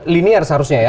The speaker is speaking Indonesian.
linear seharusnya ya